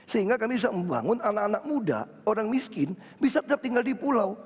sehingga kami bisa membangun anak anak muda orang miskin bisa tetap tinggal di pulau